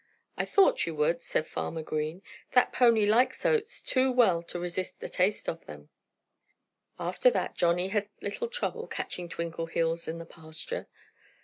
"I thought you would," said Farmer Green. "That pony likes oats too well to resist a taste of them." After that Johnnie had little trouble catching Twinkleheels in the pasture.